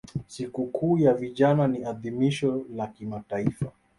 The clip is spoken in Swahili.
Siku kuu ya vijana ni adhimisho la kimataifa